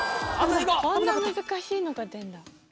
こんな難しいのが出るんだ。